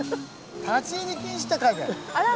「立入禁止」って書いてある。